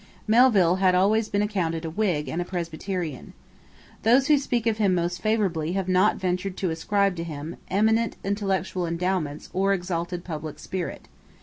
Melville had always been accounted a Whig and a Presbyterian. Those who speak of him most favourably have not ventured to ascribe to him eminent intellectual endowments or exalted public spirit.